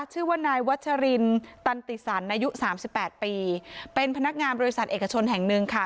ชื่อว่านายวัชรินตันติสันอายุสามสิบแปดปีเป็นพนักงานบริษัทเอกชนแห่งหนึ่งค่ะ